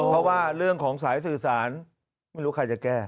เพราะว่าเรื่องของสายสื่อสารไม่รู้ใครจะแก้